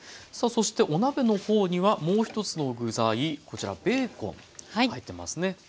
さあそしてお鍋の方にはもう一つの具材こちらベーコン入ってますね。